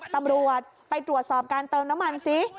ตำรวจไปตรวจสอบการเติมน้ำมันซิ